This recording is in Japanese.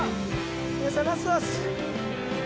皆さんラストです。